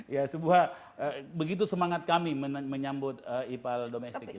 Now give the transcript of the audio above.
ya sebuah begitu semangat kami menyambut ipal domestik ini